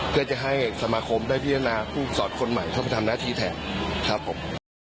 เพื่อจะให้สมาคมได้พิจารณาผู้สอดคนใหม่เข้าไปทำหน้าที่แทนครับผม